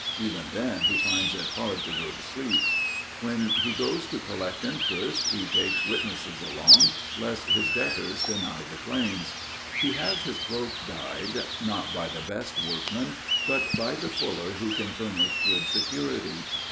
Even then he finds it hard to go to sleep. When he goes to collect interest, he takes witnesses along, lest his debtors deny the claims. He has his cloak dyed, not by the best workman, but by the fuller who can furnish good security.